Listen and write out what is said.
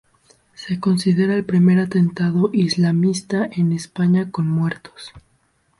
Se considera el primer atentado islamista en España con muertos.